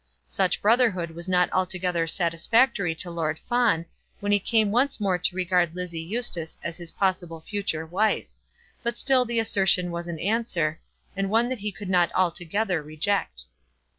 Such brotherhood was not altogether satisfactory to Lord Fawn, when he came once more to regard Lizzie Eustace as his possible future wife; but still the assertion was an answer, and one that he could not altogether reject.